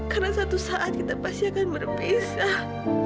karena suatu saat kita pasti akan berpisah